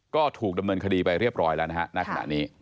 ก็ถูกดำเนินคดีไปเรียบร้อยแล้วนะฮะณขณะนี้